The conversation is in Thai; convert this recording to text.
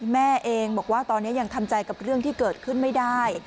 แม่เองบอกว่าตอนนี้ยังทำใจกับเรื่องที่เกิดขึ้นไม่ได้